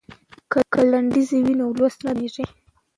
که لنډیز وي نو لوستل نه درندیږي.